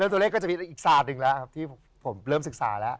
ตัวเลขก็จะมีอีกศาสตร์หนึ่งแล้วครับที่ผมเริ่มศึกษาแล้ว